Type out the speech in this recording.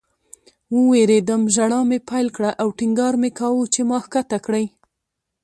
ووېرېدم. ژړا مې پیل کړه او ټینګار مې کاوه چې ما ښکته کړئ